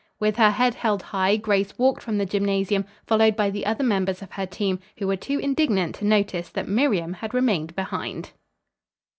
With her head held high, Grace walked from the gymnasium, followed by the other members of her team, who were too indignant to notice that Miriam had remained behind.